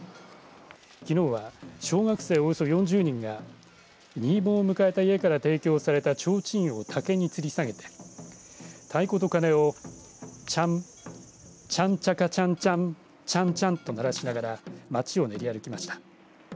きのうは小学生およそ４０人が新盆を迎えた家から提供されたちょうちんを竹につり下げて太鼓と鐘をチャン、チャンチャカチャンチャン、チャンチャンと鳴らしながらまちを練り歩きました。